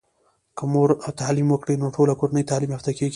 که مور تعليم وکړی نو ټوله کورنۍ تعلیم یافته کیږي.